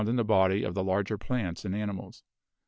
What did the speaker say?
240 BIOLOGY in the body of the larger plants and animals.